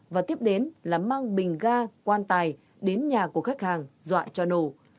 và tiếp đến là mang bình ga quan tài đến nhà của khách hàng dọa cho nổ